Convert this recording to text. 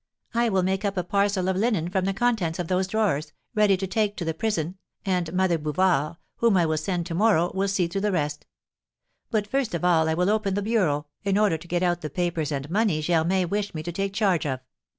I will make up a parcel of linen from the contents of those drawers, ready to take to the prison, and Mother Bouvard, whom I will send to morrow, will see to the rest; but first of all I will open the bureau, in order to get out the papers and money Germain wished me to take charge of."